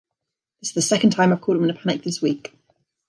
This is the second time I have called him in a panic this week.